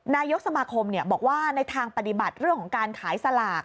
นายกสมาคมบอกว่าในทางปฏิบัติเรื่องของการขายสลาก